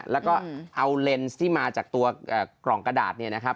แล้วก็เอาเลนส์ที่มาจากตัวกล่องกระดาษเนี่ยนะครับ